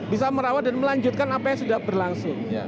bisa merawat dan melanjutkan apa yang sudah berlangsung